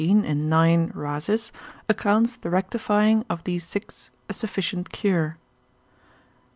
in 9. Rhasis, accounts the rectifying of these six a sufficient cure.